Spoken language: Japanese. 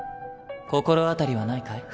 心当たりはないかい？